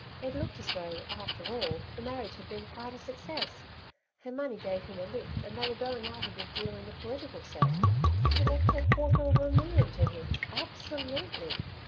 It looked as though, after all, the marriage had been quite a success. Her money gave him a lift and they were going out a good deal in the political set. She left her quarter of a million to him, ABSOLUTELY.